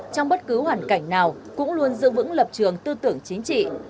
trong bất cứ hoàn cảnh nào cũng luôn giữ vững lập trường tư tưởng chính trị